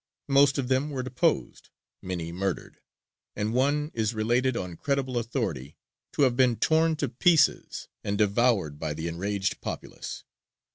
Most of them were deposed, many murdered, and one is related on credible authority to have been torn to pieces and devoured by the enraged populace.